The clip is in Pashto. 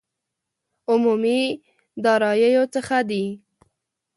عمومي داراییو څخه دي.